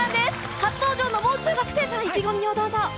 初登場のもう中学生さん、意気込みをお願いします。